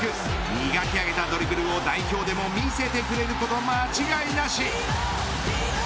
磨き上げたドリブルを、代表でも見せてくれること間違いなし。